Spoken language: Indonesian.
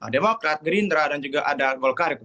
demokrat gerindra dan juga ada golkar